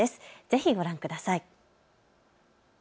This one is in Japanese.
ぜひご覧ください。